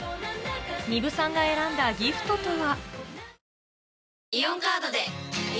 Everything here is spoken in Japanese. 丹生さんが選んだギフトとは？